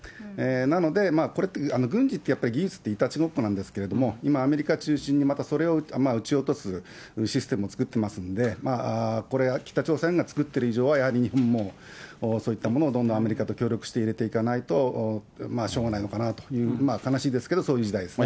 なので、これって軍事ってやっぱり技術のいたちごっこなんですけれども、今、アメリカ中心にまたそれを撃ち落とすシステムを作ってますんで、これは北朝鮮が作っている以上はやはり日本もそういったものを今後アメリカと協力して入れていかないとしょうがないのかなという、悲しいですけど、そういう時代ですね。